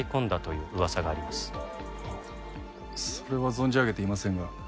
それは存じ上げていませんが。